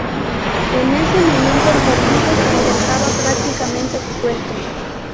En ese momento el partido se encontraba prácticamente disuelto.